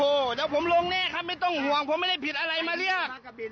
โอ้โหเดี๋ยวผมลงแน่ครับไม่ต้องห่วงผมไม่ได้ผิดอะไรมาเรียก